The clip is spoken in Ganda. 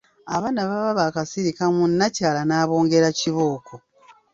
Abaana baba baakasirikamu nnakyala n’abongera kibooko.